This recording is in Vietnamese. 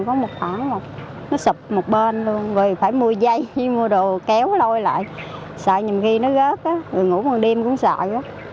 còn có một tháng là nó sụp một bên luôn rồi phải mua dây mua đồ kéo lôi lại sợ nhầm ghi nó rớt á rồi ngủ một đêm cũng sợ lắm